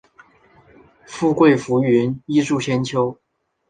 富贵浮云，艺术千秋